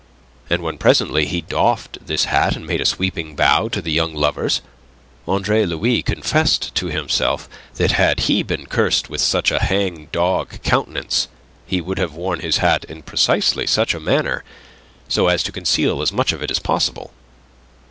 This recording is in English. And when presently he doffed this hat and made a sweeping bow to the young lovers, Andre Louis confessed to himself that had he been cursed with such a hangdog countenance he would have worn his hat in precisely such a manner, so as to conceal as much of it as possible.